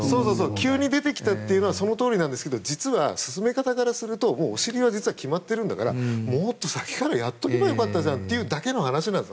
急に出てきたというのはそのとおりなんですけど進め方からするともう、お尻は実は決まっているんだからもっと先からやっておけば良かったねという話なんです。